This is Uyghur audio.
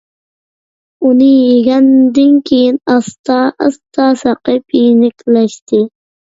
ئۇنى يېگەندىن كېيىن ئاستا - ئاستا ساقىيىپ يېنىكلەشتى.